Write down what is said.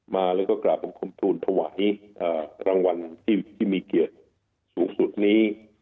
มาแล้วก็กราบบังคมทูลถวายรางวัลที่มีเกียรติสูงสุดนี้